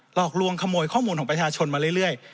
หลอกลวงขโมยข้อมูลของประชาชนมาเรื่อย